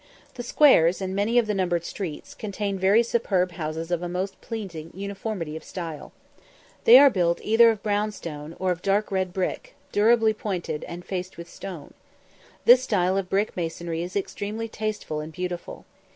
The squares, and many of the numbered streets, contain very superb houses of a most pleasing uniformity of style. They are built either of brown stone, or of dark red brick, durably pointed, and faced with stone. This style of brick masonry is extremely tasteful and beautiful.